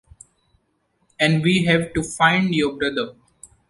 And we have to find your brother.